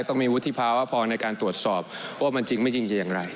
ต้องมีวุฒิภาวะพอในการตรวจสอบว่ามันจริงไม่จริงจะอย่างไร